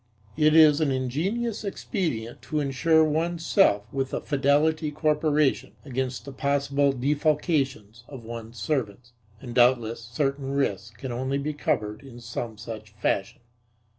It is an ingenious expedient to insure one's self with a "fidelity corporation" against the possible defalcations of one's servants, and doubtless certain risks can only be covered in some such fashion.